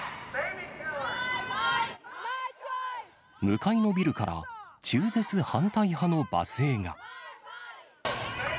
向かいのビルから、中絶反対派の罵声が。